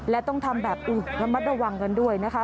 และต้องทำแบบระมัดระวังกันด้วยนะคะ